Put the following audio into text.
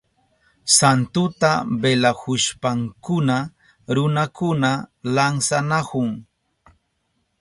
Santuta velahushpankuna runakuna lansanahun.